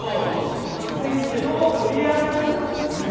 知りませんけどとりあえずねっ。